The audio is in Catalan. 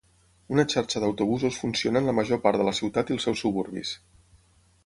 Una xarxa d'autobusos funciona en la major part de la ciutat i els seus suburbis.